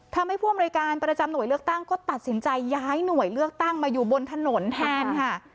ผู้อำนวยการประจำหน่วยเลือกตั้งก็ตัดสินใจย้ายหน่วยเลือกตั้งมาอยู่บนถนนแทนค่ะ